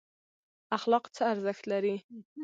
اخلاق څه ارزښت لري؟